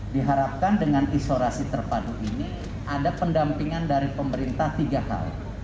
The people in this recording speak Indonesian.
diharapkan dengan isolasi terpadu ini ada pendampingan dari pemerintah tiga hal